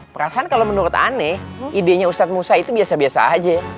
perasaan kalau menurut aneh idenya ustadz musa itu biasa biasa aja